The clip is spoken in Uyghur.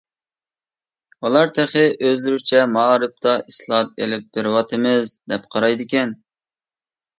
ئۇلار تېخى ئۆزلىرىچە «مائارىپتا ئىسلاھات ئىلىپ بېرىۋاتىمىز» دەپ قارايدىكەن.